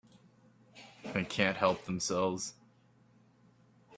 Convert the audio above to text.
They can't help themselves.